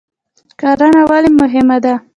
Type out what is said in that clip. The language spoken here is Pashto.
کرهڼه ولې مهمه ده؟